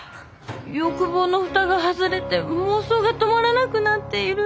欲望の蓋が外れて妄想が止まらなくなっている。